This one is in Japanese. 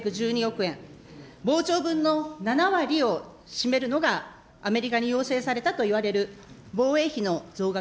円、膨張分の７割を占めるのが、アメリカに要請されたといわれる防衛費の増額。